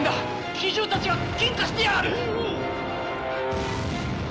奇獣たちがけんかしてやがる！